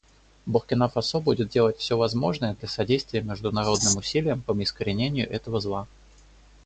Буркина-Фасо будет делать все возможное для содействия международным усилиям по искоренению этого зла.